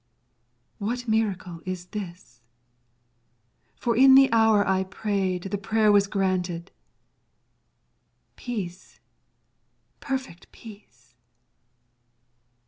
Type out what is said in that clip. What miracle is this? For in the hour I prayed the prayer was granted! Peace, perfect peace!